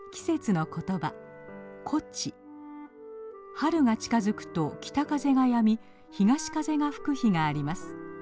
春が近づくと北風がやみ東風が吹く日があります。